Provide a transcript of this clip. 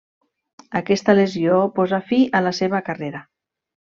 Aquesta lesió posà fi a la seva carrera.